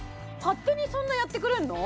勝手にそんなやってくれんの？